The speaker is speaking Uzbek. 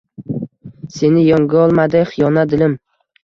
Seni yengolmadi xiyonat, dilim.